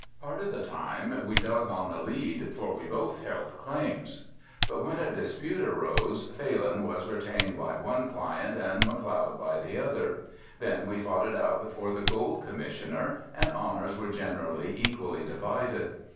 Part of the time we dug on the lead, for we both held claims, but when a dispute arose Phalin was retained by one client, and McLeod by the other, then we fought it out before the Gold Commissioner and honors were generally equally divided.